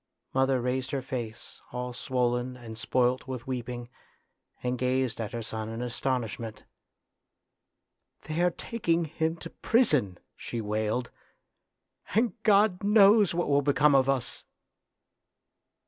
Mother raised her face, all swollen and spoilt with weeping, and gazed at her son in astonishment. " They are taking him to prison," she wailed, " and God knows what will become of us."